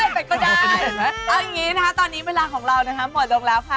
อย่างนี้วันนี้เวลาของเราหมดลงแล้วค่ะ